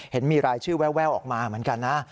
เห็นมีรายชื่อแววออกมาเหมือนกันนะ